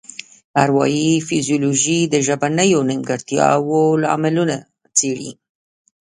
اروايي فزیولوژي د ژبنیو نیمګړتیاوو لاملونه څیړي